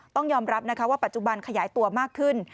ต้องยอมรับนะคะว่าปัจจุบันขยายตัวมากขึ้น